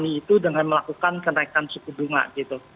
memi itu dengan melakukan kenaikan suku bunga gitu